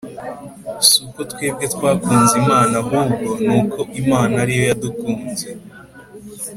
si uko twebwe twakunze Imana ahubwo ni uko Imana ari yo yadukunze,